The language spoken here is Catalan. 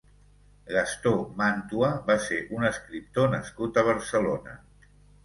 Gastó Màntua va ser un escriptor nascut a Barcelona.